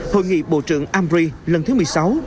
hội nghị bộ trưởng amri lần thứ một mươi sáu